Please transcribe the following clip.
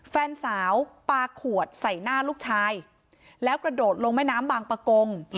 แฟนสาวปลาขวดใส่หน้าลูกชายแล้วกระโดดลงแม่น้ำบางประกง